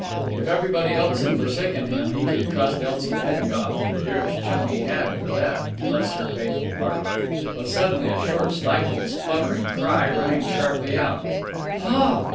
If everybody else had forsaken him, he could trust Elsie Bengough, the dearest chum he had, for that ... bless her faithful heart! But suddenly a short, stifled, spluttering cry rang sharply out: "_Paul!